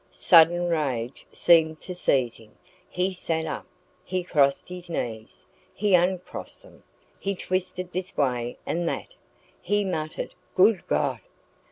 Sudden rage seemed to seize him. He sat up, he crossed his knees, he uncrossed them, he twisted this way and that, he muttered "Good God!"